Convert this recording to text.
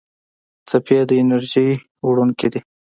څپې د انرژۍ وړونکي دي.